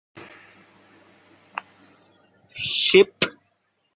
ก็ได้แต่บ่นกันไป